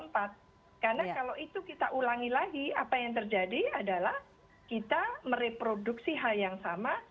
karena kalau itu kita ulangi lagi apa yang terjadi adalah kita mereproduksi hal yang sama